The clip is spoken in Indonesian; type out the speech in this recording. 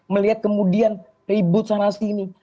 melihat kemudian ribut sana sini